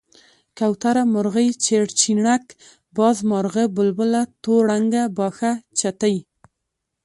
کوتره، مرغۍ، چيرچيڼک، باز، مارغه ،بلبله، توره ڼکه، باښه، چتی،